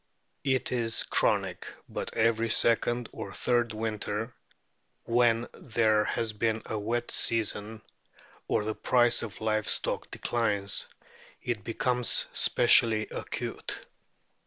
It is chronic, but every second or third winter, when there has been a wet season, or the price of live stock declines, it becomes specially acute.